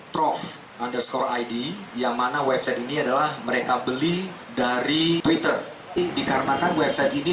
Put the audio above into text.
prof underscore id yang mana website ini adalah mereka beli dari twitter dikarenakan website ini